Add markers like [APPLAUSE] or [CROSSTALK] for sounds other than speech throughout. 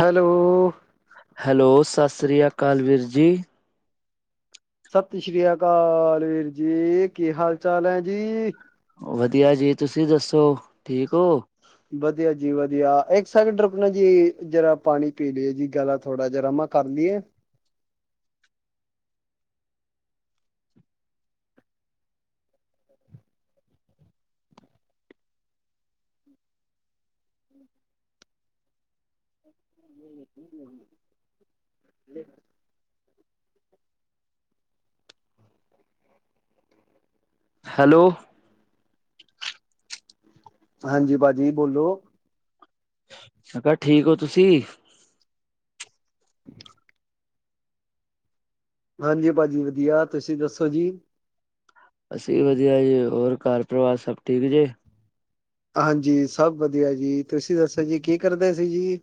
Hello. Hello, ਸਾਸਰੀਆ ਕਾਲ ਵਿਰ ਜੀ। ਸਤਿ ਸ੍ਰੀ ਅਕਾਲ ਵੀਰ ਜੀ, ਕੀ ਹਾਲ- ਚਾਲ ਹੈ ਜੀ? ਵਧੀਆ ਜੀ, ਤੁਸੀਂ ਦੱਸੋ ਠੀਕ ਔ? ਵਧੀਆ ਜੀ ਵਧੀਆ, ਇੱਕ ਸੈਕੰਡ ਰੁਕਨਾ ਜੀ, ਜਰਾ ਪਾਣੀ ਪੀ ਲੀਏ ਜੀ, ਗਲਾ ਥੋੜਾ ਗਰਮੈ। ਕਰ ਲੀਏ। ਹ। [UNINTELLIGIBLE] [UNINTELLIGIBLE] ਹੈਲੋ। ਹਾਂਜੀ, ਭਾਜੀ ਬੋਲੋ। ਮ ਕਯਾ, ਠੀਕ ਔ ਤੁਸੀਂ। ਹਾਂਜੀ ਭਾਜੀ ਵਧੀਆ, ਤੁਸੀਂ ਦੱਸੋ ਜੀ। ਅਸੀਂ ਵੀ ਵਧੀਆ ਜੀ, ਹੋਰ ਘਰ ਪਰਿਵਾਰ ਸਭ ਠੀਕ ਜੇ। ਹਾਂਜੀ ਸਭ ਵਧੀਆ ਜੀ, ਤੁਸੀਂ ਦੱਸੋ ਜੀ ਕੀ ਕਰਦੇ ਸੀ ਜੀ।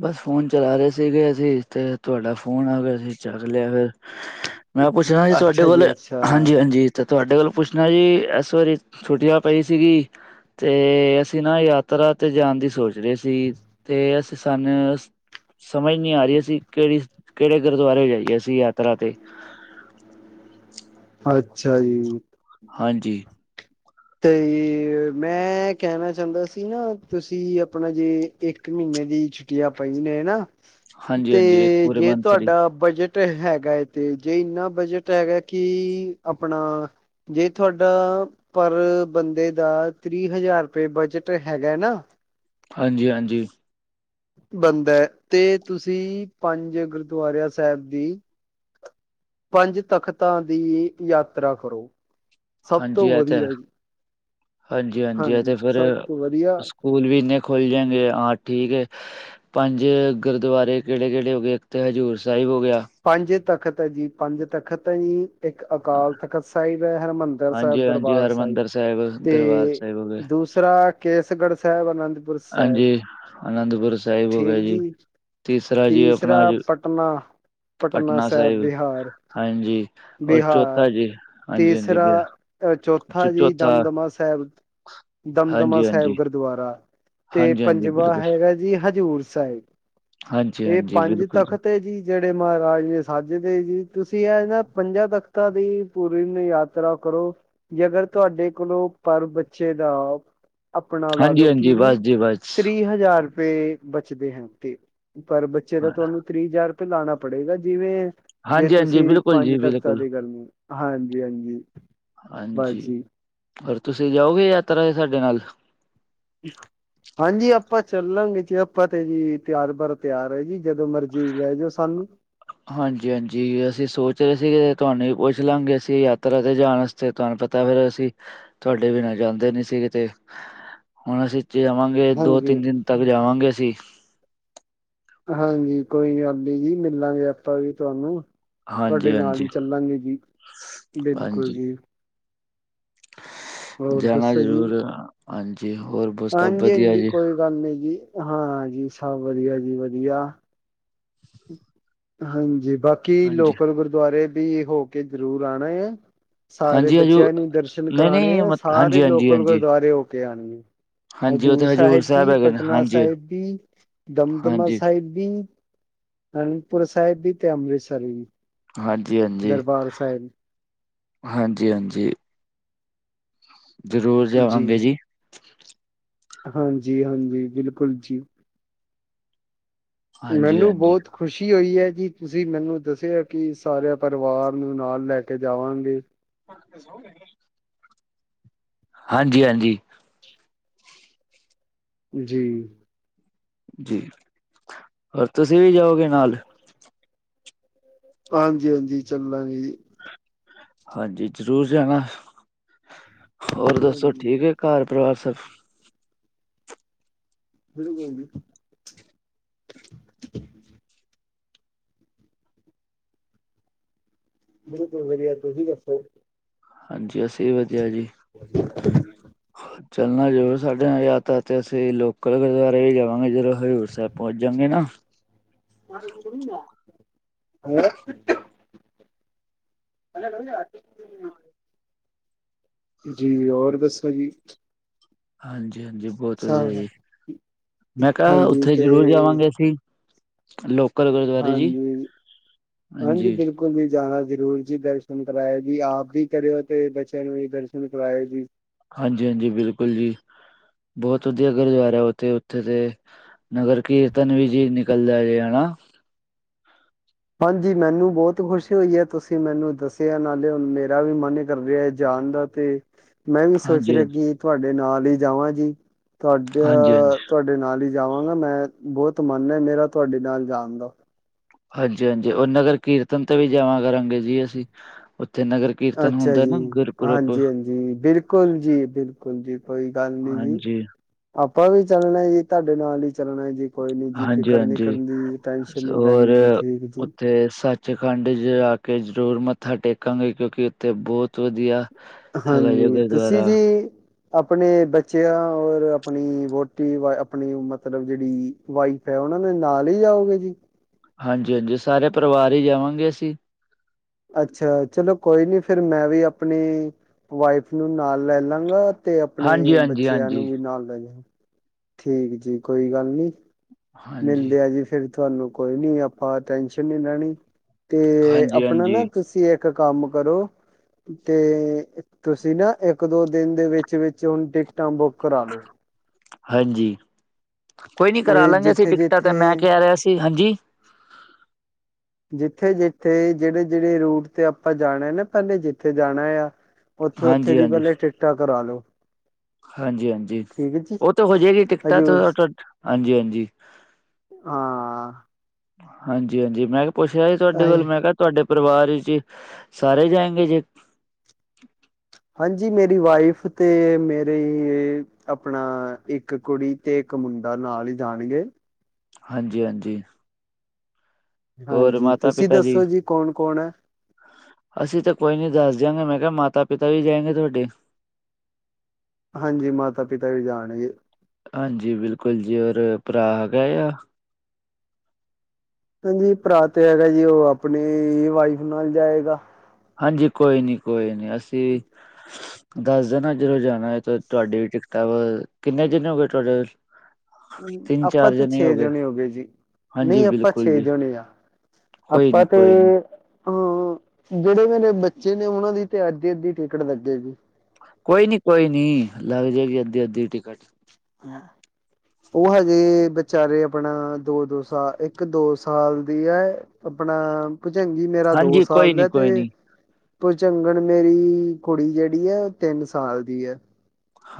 ਬਸ ਫੋਨ ਚਲਾ ਰਹੇ ਸੀਗੇ ਅਸੀਂ, ਤੇ ਤੁ ਆਡਾ ਫੋਨ ਆ ਗਿਆ ਸੀ ਚੱਕ ਲਿਆ ਫੇਰ। ਮੈਂ ਪੁੱਛਦਾ ਜੀ ਤੁ ਆਡੇ ਅੱਛਾ ਕੋਲੇ, ਅੱਛਾ ਹਾਂਜੀ- ਹਾਂਜੀ। ਤੇ ਤੁ ਆਡੇ ਵਲ ਪੁੱਛਣਾ ਜੀ, ਐਸ ਵਾਰੀ ਛੁਟੀਯਾ ਪਈ ਸੀਗੀ। ਤੇ ਅਸੀਂ ਨਾ ਯਾਤਰਾ ਤੇ ਜਾਣ ਦੀ ਸੋਚ ਰੇ ਸੀ ਜੀ। ਤੇ ਅਸੀਂ ਸਾਨੇ ਵਸ। ਸਮਝ ਨੀ ਆ ਰੀ ਅਸੀਂ ਕੇੜੇ, ਕੇੜੇ ਗੁਰਦੁਆਰੇ ਜਾਈਏ ਅਸੀਂ ਯਾਤਰਾ ਤੇ। ਅੱਛਾ ਜੀ। ਹਾਂਜੀ। ਤੇ ਯੀ ਮੈਂ ਕੈਣਾ ਚਾਂਦਾ ਸੀ ਨਾ, ਤੁਸੀਂ ਅਪਣਾ ਜੇ ਇੱਕ ਮੀਨੇ ਦੀ ਛੁੱ। ਛੁੱਟੀਆਂ ਪਈ ਨੇ ਨਾ, ਹਾਂਜੀ-ਹਾਂਜੀ ਇੱਕ ਤੇ ਪੂਰੇ ਜੇ ਮੰਥ ਦੀ ਤੁਹਾਡਾ ਬਜਟ ਟੋਲ ਹੈਗਾ ਤੇ ਜੇ ਇੰਨਾ ਬਜਟ ਹੈਗਾ ਕੀ ਆਪਣਾ ਜੇ ਤੁਹਾਡਾ ਪਰ ਬੰਦੇ ਦਾ ਤਰੀ ਹਜ਼ਾਰ ਰੁਪਏ ਬਜਟ ਹੈਗਾ ਨਾ ਹਾਂਜੀ- ਹਾਂਜੀ। ਬੰਦਾ, ਤੇ ਤੁਸੀਂ ਪੰਜ ਗੁਰਦੁਆਰਿਆ ਸਾਹਿਬ ਦੀ ਪੰਜ ਤਖ਼ਤਾਂ ਦੀ ਯਾਤਰਾ ਕਰੋ। ਸਭ ਹਾਂਜੀ ਤੋਂ ਏਹ ਤੇ ਐ, ਵਧੀਆ ਜੀ ਹਾਂਜੀ- ਹਾਂਜੀ ਐ ਤੇ ਫਿਰ ਸਭ ਤੋਂ ਵਧੀਆ ਸ ਸਕੂਲ ਵੀ ਇੰਨੇ ਖੁਲ ਜਾਏਗੇ, ਹਾਂ ਠੀਕ ਏ। ਪੰਜ ਗੁਰਦੁਆਰੇ ਕਿਹੜੇ- ਕਿਹੜੇ ਹੋ ਗਏ, ਇੱਕ ਤਾਂ ਹਜ਼ੂਰ ਸਾਹਿਬ ਹੋ ਗਿਆ। ਪੰਜ ਤਖ਼ਤ ਜੀ- ਪੰਜ ਤਖ਼ਤ ਜੀ। ਇੱਕ ਅਕਾਲ ਤਖ਼ਤ ਸਾਹਿਬ ਹੈ, ਹਰਿਮੰਦਰ ਸਾਹਿਬ ਹਾਂਜੀ-ਹਾਂਜੀ ਦਰਬਾਰ ਸਾਹਿਬ ਹਰਿਮੰਦਰ ਦਰਬਾਰ ਤੇ, ਸਾਹਿਬ ਹੋ ਗਏ ਦੂਸ ਰਾ ਕੇਸਗੜ੍ਹ ਸਾਹਿਬ ਅਨੰਦਪੁਰ ਸ ਹਾਂਜੀ, ਅਨੰਦਪੁਰ ਸਾਹਿਬ ਹੋ ਗਿਆ ਜੀ। ਤੀਸਰਾ ਜੀ ਆਪਣਾ ਤੀਸਰਾ ਜੀ ਪਟਨਾ ਪਟਨਾ ਸਾਹਿਬ ਬਿਹਾਰ। ਹਾਂਜੀ। ਔਰ ਚੌਥਾ ਬਿਹਾਰ, ਜੀ ਹਾਂਜੀ-ਹਾਂਜੀ ਤੀਸਰਾ ਬਿਆ ਐ ਚ- ਚੌਥਾ ਜੀ ਚੌਥਾ ਦਮਦਮਾ ਸਾਹਿਬ। ਦਮਦਮਾ ਸਾਹਿਬ ਹਾਂਜੀ-ਹਾਂਜੀ। ਗੁਰਦੁਆਰਾ, ਤੇ ਹਾਂਜੀ-ਹਾਂਜੀ ਪੰਜਵਾਂ ਬਿਲਕੁਲ ਹੈਗਾ ਜੀ ਹਜ਼ੂਰ ਸਾਹਿਬ, ਤੇ ਹਾਂਜੀ-ਹਾਂਜੀ ਪੰਜ ਬਿਲਕੁਲ ਤਖਤ ਜੀ। ਸਾਡੇ ਮਹਾਰਾਜ ਨੇ ਸਾਜੇ ਦੇ ਜੀ, ਤੁਸੀਂ ਏਹ ਇਹਨਾਂ ਪੰਜਾਂ ਤਖ਼ਤਾਂ ਦੀ ਪੂਰੀਨ ਯਾਤਰਾ ਕਰੋ। ਜੇ ਅਗਰ ਤੁਹਾਡੇ ਕੋਲੋਂ ਪਰ ਬੱਚੇ ਦਾ ਆਪਣਾ ਲਾ ਲੋਓ ਕੀ ਹਾਂਜੀ-ਹਾਂਜੀ ਬਸ ਜੀ ਬਸ। ਤਰੀ ਹਜ਼ਾਰ ਰੁਪਏ ਰੁਪ ਬੁਚੇਦੇ ਹਨ ਤੇ, ਪਰ ਬੱਚੇ ਦਾ ਹਾਂ ਤਾਨੂੰ ਤਰੀ ਹਜ਼ਾਰ ਰੁਪਏ ਲਾਣਾ ਪੜੇਗਾ ਜਿਵੇਂ ਜੇ ਹਾਂਜੀ ਹਾਂਜੀ ਤੁਸੀਂ ਬਿਲਕੁਲ ਪੰਜ ਜੀ ਤਖ਼ਤਾਂ ਬਿਲਕੁਲ ਦੀ ਕਰਨੀ, ਹਾਂਜੀ -ਹਾਂਜੀ। ਹਾਂਜੀ, ਬਸ ਜੀ ਹੋਰ ਤੁਸੀਂ ਜਾਓਗੇ ਯਾਤਰਾ ਦੇ ਸਾਡੇ ਨਾਲ? [INAUDIBLE] ਹਾਂਜੀ ਆਪਾਂ ਚੱਲਾਂਗੇ, ਜੇ ਆਪਾਂ ਤੇ ਜੀ ਤਿਆਰ ਬਰ ਤਿਆਰ ਹੈ ਜੀ, ਜਦੋਂ ਮਰਜੀ ਲਹਿ ਜਾਓ ਸਾਨੂੰ। ਹਾਂਜੀ- ਹਾਂਜੀ, ਅਸੀਂ ਸੋਚ ਰਹੇ ਸੀਗੇ ਤੁਹਾਨੂੰ ਵੀ ਪੁੱਛ- ਲਾਂਗੇ ਅਸੀਂ ਯਾਤਰਾ ਤੇ ਜਾਣ ਤੇ ਤੁਹਾਨੂੰ ਪਤਾ ਫੇਰ ਅਸੀਂ, ਤੁਹਾਡੇ ਬਿਨਾਂ ਜਾਂਦੇ ਨੀ ਸੀ ਕਿਤੇ, ਹੁਣ ਅਸੀਂ ਜੇਵਾਂਗੇ ਤੇ ਦੋ ਹਾਂਜੀ -ਤਿੰਨ ਦਿਨ ਤੱਕ ਜਾਵਾਂਗੇ ਅਸੀਂ ਹਾਂਜੀ ਕੋਈ ਗੱਲ ਨਹੀਂ ਜੀ ਮਿਲਾਂਗੇ ਆਪਾਂ ਵੀ ਤੁਹਾਨੂੰ। ਤੁਹਾਡੇ ਹਾਂਜੀ ਨਾਲ ਹਾਂਜੀ ਹੀ ਚੱਲਾਂਗੇ ਜੀ, ਬਿਲਕੁਲ ਹਾਂਜੀ ਜੀ। ਹੋਰ ਜਾਣਾ ਦੱਸੋ ਜੀ ਜ਼ਰੂਰ ਐ, ਹਾਂਜੀ ਹੋਰ ਬਹੁਤ ਸਭ ਵਧੀਆ ਜੀ। ਕਰ ਲੋ ਜੀ ਹਾਂ ਜੀ ਸਭ ਵਧੀਆ ਜੀ ਵਧੀਆ। ਹਾਂਜੀ ਬਾਕੀ ਹਾਂਜੀ ਲੋਕਲ ਗੁਰਦੁਆਰੇ ਵੀ ਹੋ ਕੇ ਜਰੂਰ ਆਣਾ ਐ। ਸਾਰੇ ਹਾਂਜੀ ਹਜੂ ਬੱਚਿਆਂ ਨੂੰ ਦਰਸ਼ਨ ਨਹੀਂ ਕਰਾਣੇ ਨਹੀਂ ਆ ਮ ਸਾਰੇ ਹਾਂਜੀ ਹਾਂਜੀ ਲੋਕਲ ਹਾਂਜੀ ਗੁਰਦੁਆਰੇ ਹੋ ਕੇ ਆਣੇ ਐ। ਹਾਂਜੀ ਉਹ ਤੇ ਹਜ਼ੂਰ ਸਾਹਿਬ ਬੀ, ਹੈਗੇ ਨੇ ਪਟਨਾ ਹਾਂਜੀ ਸਾਹਿਬ ਬੀ ਦਮਦਮਾ ਹਾਂਜੀ ਸਾਹਿਬ ਬੀ ਆਨੰਦਪੁਰ ਸਾਹਿਬ ਵੀ ਤੇ ਅੰਮ੍ਰਿਤਸਰ ਵੀ। ਹਾਂਜੀ ਹਾਂਜੀ, ਦਰਬਾਰ ਸਾਹਿਬ ਹਾਂਜੀ ਹਾਂਜੀ। ਜ਼ਰੂਰ ਜਾਵਾਂਗੇ ਜੀ। ਹਾਂਜੀ ਹਾਂਜੀ ਬਿਲਕੁਲ ਜੀ, ਹਾਂਜੀ ਮੈਨੂੰ ਹਾਂਜੀ ਬੋਤ ਖੁਸ਼ੀ ਹੋਈ ਹੈ ਜੀ ਤੁਸੀਂ ਮੈਨੂੰ ਦੱਸਿਆ ਕਿ ਸਾਰੇ ਪਰਿਵਾਰ ਨੂੰ ਨਾਲ ਲੈ ਕੇ ਜਾਵਾਂਗੇ। [INAUDIBLE] ਹਾਂਜੀ ਹਾਂਜੀ‌। ਜੀ। ਜੀ ਹੋਰ ਤੁਸੀਂ ਵੀ ਜਾਓਗੇ ਨਾਲ? ਹਾਂਜੀ- ਹਾਂਜੀ ਚੱਲਾਂਗੇ ਜੀ। ਹਾਂਜੀ ਜ਼ਰੂਰ ਜਾਣਾ, ਹੋਰ ਦੱਸੋ ਹਾਂਜੀ ਠੀਕ ਹੈ ਘਰ ਪਰਿਵਾਰ ਸਭ? ਕਿਹੜੀ ਗੱਲ ਜੀ। ਬਿਲਕੁਲ ਵਧੀਆ ਤੁਸੀਂ ਦੱਸੋ? ਹਾਂਜੀ ਅਸੀ ਵੀ ਵਧੀਆ ਜੀ, ਚੱਲਣਾ ਜ਼ਰੂਰ ਸਾਡੇ ਨਾਲ ਯਾਤਰ। ਤੇ ਅਸੀਂ ਲੋਕਲ ਗੁਰਦੁਆਰੇ ਵੀ ਜਾਵਾਂਗੇ ਜਦੋਂ ਹਜ਼ੂਰ ਸਾਹਿਬ ਪਹੁੰਚ ਜਾਂਗੇ ਨਾ। [UNINTELLIGIBLE] [UNINTELLIGIBLE] ਹਾਂ। ਜੀ ਹੋਰ ਦੱਸੋ ਜੀ? ਹਾਂਜੀ- ਹਾਂਜੀ। ਬਹੁਤਾ ਹਾਂ ਜਾਇਏ ਮੈਂ ਕਿਹਾ ਹਾਂਜੀ ਉੱਥੇ ਤੇ ਜ਼ਦੋ ਜਾਵਾਂਗੇ ਅਸੀ ਲੋਕਲ ਗੁਰਦੁਆਰੇ ਜੀ, ਹਾਂਜੀ ਹਾਂਜੀ। ਬਿਲਕੁਲ ਜੀ ਜਾਣਾ ਜ਼ਰੂਰ ਜੀ। ਦਰਸ਼ਨ ਕਰਾਏਓ ਜੀ। ਆਪ ਵੀ ਕਰਿਓ ਤੇ ਬੱਚਿਆਂ ਨੂੰ ਵੀ ਦਰਸ਼ਨ ਕਰਾਏਓ ਜੀ। ਹਾਂਜੀ- ਹਾਂਜੀ ਬਿਲਕੁਲ ਜੀ, ਬਹੁਤ ਵਧੀਆ ਗੁਰਦੁਆਰਾ ਹੈ ਉੱਥੇ, ਉੱਥੇ ਤੇ ਨਗਰ ਕੀਰਤਨ ਵੀ ਜੀ ਨਿਕਲਦਾ ਹੈਗਾ ਏ ਨਾ। ਹਾਂਜੀ ਮੈਨੂੰ ਬਹੁਤ ਖੁਸ਼ੀ ਹੋਈ ਹੈ, ਤੁਸੀਂ ਮੈਨੂੰ ਦੱਸਿਆ ਨਾਲੇ ਹੁਣ ਮੇਰਾ ਵੀ ਮਨ ਕਰ ਰਿਹਾ ਹੈ ਜਾਣ ਦਾ। ਤੇ ਮੈਂ ਵੀ ਸੋਚ ਹਾਂਜੀ ਹਾਂਜੀ ਰਿਹਾ ਕਿ ਤੁਹਾਡੇ ਨਾਲ ਹੀ ਜਾਵਾਂ ਜੀ ਹਾਂਜੀ ਹਾਂਜੀ ਤੁਹਾਡਾ ਤੁਹਾਡੇ ਨਾਲ ਹੀ ਜਾਵਾਂਗਾ ਮੈਂ, ਬਹੁਤ ਮਨ ਹੈ ਮੇਰਾ ਤੁਹਾਡੇ ਨਾਲ ਜਾਣ ਦਾ। ਹਾਂਜੀ- ਹਾਂਜੀ ਔਰ ਨਗਰ ਕੀਰਤਨ ਤੇ ਵੀ ਜਾਵਾ ਕਰਾਂਗੇ ਜੀ ਅਸੀਂ, ਉੱਥੇ ਨਗਰ ਕੀਰਤਨ ਹੁੰਦਾ ਨਾ ਗੂਰ- ਹਾਂਜੀ- ਹਾਂਜੀ ਬਿਲਕੁਲ ਜੀ- ਬਿਲਕੁਲ ਜੀ ਕੋਈ ਗੱਲ ਨੀ ਜੀ। ਹਾਂਜੀ, ਆਪਾਂ ਵੀ ਚੱਲਾਂਗੇ ਤੁਹਾਡੇ ਨਾਲ ਹੀ ਚੱਲਣਾ। ਕੋਈ ਨੀ ਜੀ ਫਿਕਰ ਨੀ ਹਾਂਜੀ-ਹਾਂਜੀ ਕਰਨੀ, ਟੈੈਂਸ਼ਨ ਨੀ ਲੈਣੀ ਜੀ, ਠੀਕ ਜੀ। ਤੇ ਸੱਚ ਸਚਖੰਡ ਚ ਆ ਕੇ ਜ਼ਰੂਰ ਮੱਥਾ ਟੇਕਾਂਗੇ ਕਿਉਂਕਿ ਉੱਥੇ ਬਹੁਤ ਵਧੀਆ ਹੈਗਾ ਜੇ ਹਾਂਜੀ ਤੁਸੀਂ ਗੁਰਦੁਆਰਾ ਜੀ। ਆਪਣੇ ਬੱਚਿਆਂ ਔਰ ਆਪਣੀ ਵੋਟੀ ਵਾ ਆਪਣੀ ਮਤਲਬ ਜਿਹੜੀ ਵਾਈਫ ਹੈ ਉਹਨਾ ਦੇ ਨਾਲ ਹੀ ਜਾਓਗੇ ਜੀ? ਹਾਂਜੀ- ਹਾਂਜੀ ਸਾਰੇ ਪਰਿਵਾਰ ਹੀ ਜਾਵਾਂਗੇ ਅਸੀਂ। ਅੱਛਾ ਚਲੋ ਕੋਈ ਨੀ ਫੇਰ ਮੈਂ ਵੀ ਆਪਣੀ ਵਾਈਫ ਨੂੰ ਨਾਲ ਲੈ ਲਾਂਗਾ। ਤੇ ਆਪਣੇ ਹਾਂਜੀ-ਹਾਂਜੀ, ਬੱਚਿਆਂ ਹਾਂਜੀ, ਹਾਂਜੀ। ਨੂੰ ਵੀ ਨਾਲ ਲੈਂਜਾਗਾ ਠੀਕ ਜੀ ਕੋਈ ਗੱਲ ਨੀ। ਹਾਂਜੀ-ਹਾਂਜੀ, ਮਿਲਦੇ ਆ ਜੀ ਫੇਰ ਤੁਹਾਨੂੰ ਕੋਈ ਨੀ ਆਪਾਂ ਟੈਸ਼ਨ ਨੀ ਲੈਣੀ। ਤੇ ਹਾਂਜੀ ਆਪਣਾ ਹਾਂਜੀ ਨਾ ਤੁਸੀਂ ਇੱਕ ਕੰਮ ਕਰੋ। ਤੇ, ਤੁਸੀਂ ਨਾ ਇੱਕ- ਦੋ ਦਿਨ ਦੇ ਵਿੱਚ-ਵਿਚ ਹੁਣ ਟਿਕਟਾਂ ਬੁੱਕ ਕਰਾਲੋ। ਹਾਂਜੀ, ਕੋਈ ਨੀ ਕਰਾ ਤੇ ਲਾਂਗੇ ਅਸੀਂ ਜਿੱਥੇ ਟਿਕਟਾਂ ਤੇ ਜਿੱਥੇ ਮੈਂ ਕਹਿ ਰਿਹਾ ਸੀ। ਹਾਂਜੀ? ਜਿੱਥੇ-ਜਿੱਥੇ, ਜਿਹੜੇ-ਜਿਹੜੇ ਰੂਟ ਤੇ ਆਪਾਂ ਜਾਣਾ ਨਾ ਪਹਿਲੇ ਜਿੱਥੇ ਜਾਣਾ ਆਂ ਉੱਥੇ-ਉੱਥੇ, ਦੀ ਹਾਂਜੀ-ਹਾਂਜੀ, ਪਹਿਲੇ ਟਿੱਕਟਾਂ ਕਰਾਲੋ। ਹਾਂਜੀ-ਹਾਂਜੀ, ਉਹ ਤਾਂ ਹੋ ਜਾਏਗੀ ਟਿਕਟਾਂ ਤ ਹਜ਼ੂਰ ਥ ਹਾਂਜੀ-ਹਾਂਜੀ। ਹਾਂ ਹਾਂਜੀ-ਹਾਂਜੀ, ਮੈਂ ਤੇ ਪੁੱਛ ਰਿਹਾ ਸੀ ਤੁਹਾਡੇ ਕੋਲ ਆਏ ਮੈਂ ਕਿਹਾ ਤੁਹਾਡੇ ਪਰਿਵਾਰ 'ਚ, ਸਾਰੇ ਜਾਏਗੇ ਜੇ ਹਾਂਜੀ, ਮੇਰੀ ਵਾਈਫ, ਤੇ ਮੇਰੇ ਆਪਣਾ, ਇੱਕ ਕੁੜੀ ਤੇ ਇੱਕ ਮੁੰਡਾ ਨਾਲ ਹੀ ਜਾਣਗੇ। ਹਾਂਜੀ-ਹਾਂਜੀ ਹੋਰ ਹਾਂਜੀ ਤੁਸੀਂ ਮਾਤਾ-ਪਿਤਾ ਦੱਸੋ ਜੀ ਕੌਣ-ਕੌਣ ਐਂ। ਅਸੀਂ ਤਾਂ ਕੋਈ ਨਈ ਦੱਸ ਦਿਆਂਗੇ ਮੈਂ ਕਿਆ ਮਾਤਾ ਪਿਤਾ ਵੀ ਜਾਏਂਗੇ ਤੁਹਾਡੇ ਹਾਂਜੀ ਮਾਤਾ ਪਿਤਾ ਵੀ ਜਾਣਗੇ। ਹਾਂਜੀ ਬਿਲਕੁਲ ਜੀ ਹੋਰ ਭਰਾ ਹੈਗਾ ਆ। ਹਾਂਜੀ ਭਰਾ ਤੇ ਹੈਗਾ ਜੀ ਓ ਆਪਣੀ ਵਾਈਫ ਨਾਲ ਜਾਏਗਾ। ਹਾਂਜੀ ਕੋਈ ਨੀ-ਕੋਈ ਨੀ ਅਸੀਂ [INAUDIBLE] ਦੱਸ ਦੇਣਾ ਜਦੋਂ ਜਾਣਾ ਹੈ ਤਾਂ ਤੁਹਾਡੀ ਟਿਕਟਾਂ ਵ ਕਿੰਨੇ ਜਣੇ ਹੋ ਗਏ ਤੁਹਾਡੇ ਹੂੰ ਆਪਾਂ ਤੇ ਛੇ ਜਣੇ ਹੋ ਗਏ ਜੀ ਹਾਂਜੀ ਨਈ ਆਪਾਂ ਬਿਲਕੁਲ ਛੇ ਜੀ, ਜਣੇ ਆਂ। ਕੋਈ ਆਪਾਂ ਨੀ ਤੇ ਕੋਈ ਨੀ। ਹੂੰ ਜੇੜੇ-ਜੇੜੇ ਬੱਚੇ ਨੇ ਉਹਨਾਂ ਦੀ ਤੇ ਅੱਧੀ-ਅੱਧੀ ਟਿਕਟ ਲੱਗੇ ਗੀ। ਕੋਈ ਨੀ-ਕੋਈ ਨੀ ਲੱਗ ਜਾਏਗੀ ਅੱਧੀ-ਅੱਧੀ ਟਿਕਟ [INAUDIBLE] ਓ ਹਜੇ ਬਿਚਾਰੇ ਆਪਣਾ ਦੋ-ਦੋ ਸਾਲ ਇੱਕ ਦੋ ਸਾਲ ਦੀ ਐ। ਆਪਣਾ ਭੁਝੰਗੀ ਮੇਰਾ ਦੋ ਹਾਂਜੀ ਕੋਈ ਸਾਲ ਨੀ ਦਾ ਕੋਈ ਤੇ ਨੀ, ਭੁਝੰਗਣ ਮੇਰੀ ਕੁੜੀ ਜੇੜੀ ਆ ਓ ਤਿੰਨ ਸਾਲ ਦੀ ਆ।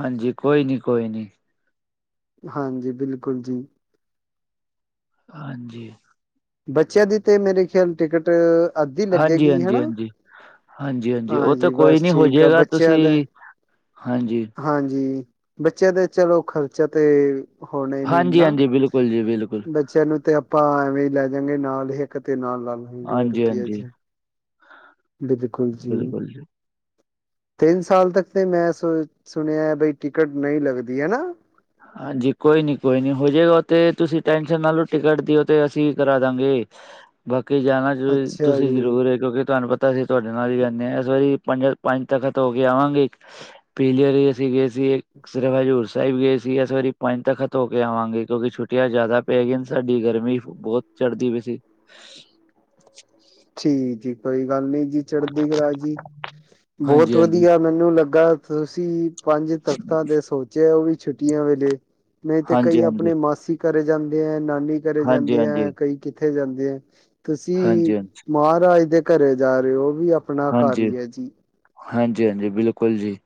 ਹਾਂਜੀ ਕੋਈ ਨਈ-ਕੋਈ ਨਈ ਹਾਂਜੀ ਬਿਲਕੁਲ ਜੀ। ਹਾਂਜੀ ਬੱਚਿਆਂ ਦੀ ਤੇ ਮੇਰੇ ਖਿਆਲ ਟਿਕਟ ਅੱਧੀ ਲੱਗੇਗੀ ਹਨਾ ਹਾਂਜੀ-ਹਾਂਜੀ-ਹਾਂਜੀ-ਹਾਂਜੀ-ਹਾਂਜੀ ਓ ਤਾ ਹਾਂਜੀ ਕੋਈ ਬਸ ਨੀ ਹੋ ਠੀਕ ਆ ਜਾਏਗਾ ਬੱਚਿਆਂ ਤੁਸੀਂ ਦੇ ਹਾਂਜੀ ਹਾਂਜੀ ਬੱਚਿਆਂ ਦਾ ਚਲੋ ਖਰਚਾ ਤੇ ਹੁਣੇ ਨੀ ਹਾਂਜੀ ਏਨਾ ਹਾਂਜੀ ਬਿਲਕੁਲ ਜੀ ਬਿਲਕੁਲ ਬ ਬੱਚਿਆਂ ਨੂੰ ਤੇ ਆਪਾਂ ਐਵੇਂ ਲੈ ਜਾਂਗੇ ਨਾਲ ਹਿਕ ਤੇ ਨਾਲ ਲਾ ਲਾਂਗੇ ਹੋਰ ਕੀ ਹੈ ਹਾਂਜੀ-ਹਾਂਜੀ ਜੀ ਬਿਲਕੁਲ ਜੀ। ਤਿੰਨ ਸਾਲ ਤੱਕ ਤੇ ਮੈਂ ਸੁ ਸੁਣਿਆ ਬਈ ਟਿਕਟ ਨਈ ਲੱਗਦੀ ਹੈਨਾ। ਹਾਂਜੀ ਕੋਈ ਨੀ-ਕੋਈ ਨੀ ਹੋ ਜਾਏਗਾ ਓ ਤੇ ਤੁਸੀਂ ਟੈਨਸ਼ਨ ਲਾ ਲਓ ਟਿਕਟ ਦੀ ਓ ਤੇ ਅਸੀਂ ਕਰਾਦਾਂਗੇ। ਬਾਕੀ ਜਾਣਾ ਜੋ ਅੱਛਾ ਤੁਸੀਂ ਜੀ ਜ਼ਰੂਰ ਏ ਕਿਉਂਕਿ ਤੁਹਾਨੂੰ ਪਤਾ ਤਾਂ ਅਸੀਂ ਤੁਹਾਡੇ ਨਾਲ ਹੀ ਜਾਨੇ ਆਂ ਇਸ ਵਾਰੀ ਪੰਜਾਂ ਪੰਜ ਤਖਤ ਹੋ ਕੇ ਆਵਾਂਗੇ। ਪਿਛਲੀ ਵਾਰੀ ਅਸੀਂ ਗਏ ਸੀ ਇੱਕ ਸਿਰਫ਼ ਹਜ਼ੂਰ ਸਾਹਿਬ ਗਏ ਸੀ। ਅਸੀਂ ਇਸ ਵਾਰੀ ਪੰਜ ਤਖ਼ਤ ਹੋ ਕੇ ਆਵਾਂਗੇ ਕਿਉਂਕਿ ਛੁੱਟੀਆਂ ਜਾਦਾ ਪੈ ਗਈਆਂ ਸਾਡੀ ਗਰਮੀ ਬੋਤ ਚੜ੍ਹਦੀ ਪਈ ਸੀ। [INAUDIBLE] ਠੀਕ ਜੀ ਕੋਈ ਗੱਲ ਨੀ ਜੀ। ਚੜ੍ਹਦੀ ਕਲਾ ਜੀ ਬੋਤ ਹਾਂਜੀ ਹਾਂਜੀ ਵਧੀਆ ਮੈਨੂੰ ਲੱਗਾ ਤੁਸੀਂ ਪੰਜ ਤਖ਼ਤਾਂ ਦੇ ਸੋਚਿਆ ਓ ਵੀ ਛੁੱਟੀਆਂ ਵੇਲੇ ਨਈ ਤੇ ਹਾਂਜੀ ਕਈ ਹਾਂਜੀ ਆਪਣੇ ਮਾਸੀ ਘਰੇ ਜਾਂਦੇ ਐ ਨਾਨੀ ਘਰੇ ਹਾਂਜੀ, ਜਾਂਦੇ ਹਾਂਜੀ, ਐ ਕਈ ਕਿੱਥੇ ਜਾਂਦੇ ਐ ਤੁਸੀਂ ਹਾਂਜੀ, ਮਹਾਰਾਜ ਦੇ ਘਰੇ ਜਾ ਰਏ ਓ-ਓ ਵੀ ਆਪਣਾ ਘਾਰ ਈ ਐ ਜੀ। ਹਾਂਜੀ-ਹਾਂਜੀ ਬਿਲਕੁਲ ਜੀ।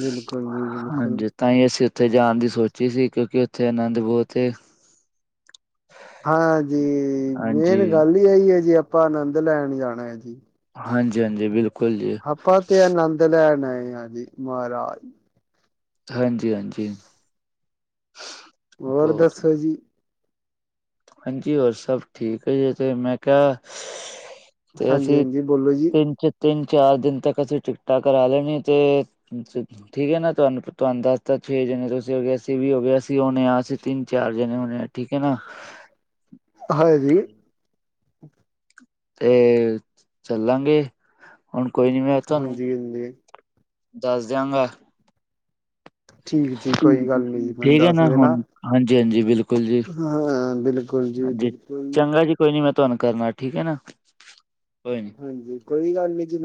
ਬਿਲਕੁਲ ਜੀ ਬਿਲਕੁਲ ਹਾਂਜੀ, ਤਾਂ ਈ ਅਸੀ ਉਥੇ ਜਾਣ ਦੀ ਸੋਚੀ ਸੀ ਕਿਉਂਕਿ ਉਥੇ ਆਨੰਦ ਬੋਤ ਏ। ਹਾਂਜੀ ਮੇਨ ਹਾਂਜੀ, ਗੱਲ ਈ ਐਯੀ ਜੀ ਆਪਾਂ ਆਨੰਦ ਲੈਣ ਜਾਣਾ ਐ ਜੀ। ਹਾਂਜੀ-ਹਾਂਜੀ ਬਿਲਕੁਲ ਜੀ। ਆਪਾਂ ਤੇ ਆਨੰਦ ਲੈਣ ਆਏ ਆ ਜੀ ਮਾਰਾਜ। ਥੈ, ਹਾਂਜੀ-ਹਾਂਜੀ। ਹੋਰ ਦਸੋ ਜੀ? ਹਾਂਜੀ ਹੋਰ ਸਭ ਠੀਕ ਏ ਜੀ ਤੇ ਮੈਂ ਕਿਆ ਤੇ ਹਾਂਜੀ ਅਸੀ ਹਾਂਜੀ ਬੋਲੋ ਜੀ ਤੇਨੰ 'ਚ ਤੇਨੰ-ਚਾਰ ਦਿਨ ਤਕ ਅਸੀ ਟਿਕਟਾਂ ਕਰਾ ਲੈਣੀਆ ਤੇ ਠੀਕ ਐ ਨਾ ਤੁਆਨੂੰ, ਤੁਆਨੂੰ ਦਸ ਤਾ ਛੇ ਜਣੇ ਤੁਸੀ ਹੋ ਗੇ, ਅਸੀ ਵੀ ਹੋਗੇ ਅਸ ਤੀ ਹੋਨੇ ਆ। ਅਸੀ ਤਿੰਨ-ਚਾਰ ਜਣੇ ਹੋਣੇ ਐ ਠੀਕ ਐ ਨਾ। ਅ ਹਏ ਜੀ। ਤੇ ਚੱਲਾਂਗੇ। ਹੁਣ ਕੋਈ ਨੀ ਮੈਂ ਤੁਆਨੂੰ ਹਾਂਜੀ ਹਾਂਜੀ ਦੱਸ ਦਾਂਗਾ। ਠੀਕ ਜੀ ਕੋਈ ਗੱਲ ਨੀ ਜੀ ਮੈਨੂੰ ਠੀਕ ਐ ਦੱਸ ਨਾ ਦੇਣਾ ਹੁਣ। ਹਾਂਜੀ-ਹਾਂਜੀ ਬਿਲ ਹਾਂ, ਬਿਲਕੁਲ ਜੀ ਬਿਲਕੁਲ। ਚੰਗਾ ਜੀ ਕੋਈ ਨੀ ਮੈਂ ਤੁਆਨੂੰ ਕਰਨਾ ਠੀਕ ਐ ਨਾ। ਕੋਈ ਨੀ। ਹਾਂਜੀ ਕੋਈ ਗੱਲ ਨੀ ਜੀ ਨ